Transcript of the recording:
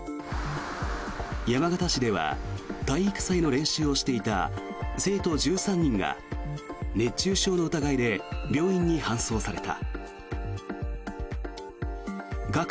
山形市では体育祭の練習をしていた生徒１３人が熱中症の疑いで病院に搬送された。